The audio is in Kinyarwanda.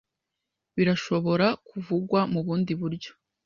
Birashobora kuvugwa mubundi buryo?